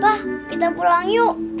pah kita pulang yuk